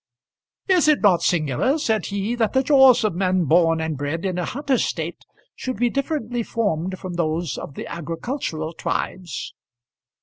"Is it not singular," said be, "that the jaws of men born and bred in a hunter state should be differently formed from those of the agricultural tribes?"